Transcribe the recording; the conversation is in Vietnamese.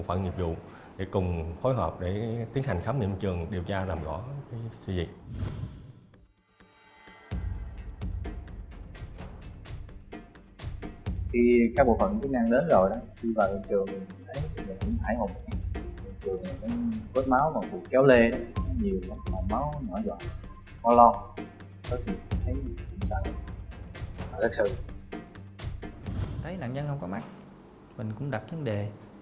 thấy nạn nhân không có mắt mình cũng đặt vấn đề